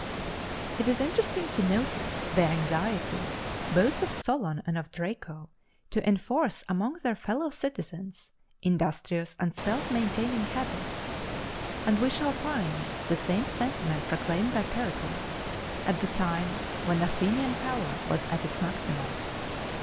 It is interesting to notice the anxiety, both of Solon and of Draco, to enforce among their fellow citizens industrious and self maintaining habits; and we shall find the same sentiment proclaimed by Pericles, at the time when Athenian power was at its maximum.